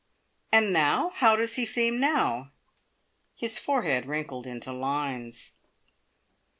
"And now? How does he seem now?" His forehead wrinkled into lines.